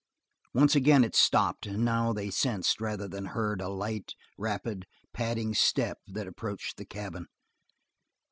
Once again it stopped, and now they sensed, rather than heard, a light, rapid, padding step that approached the cabin.